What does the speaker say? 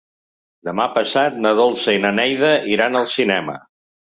Demà passat na Dolça i na Neida iran al cinema.